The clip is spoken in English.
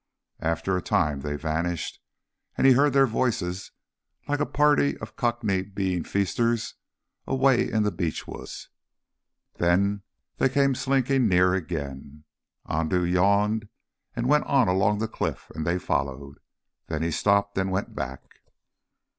And after a time they vanished, and he heard their voices, like a party of Cockney beanfeasters, away in the beechwoods. Then they came slinking near again. Andoo yawned and went on along the cliff, and they followed. Then he stopped and went back.